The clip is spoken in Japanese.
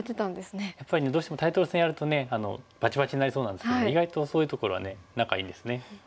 やっぱりどうしてもタイトル戦やるとバチバチになりそうなんですけど意外とそういうところはね仲いいんですね。